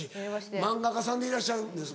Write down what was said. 漫画家さんでいらっしゃるんですもんね。